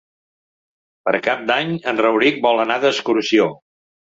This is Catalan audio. Per Cap d'Any en Rauric vol anar d'excursió.